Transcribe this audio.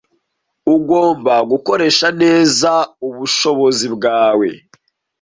Ugomba gukoresha neza ubushobozi bwawe.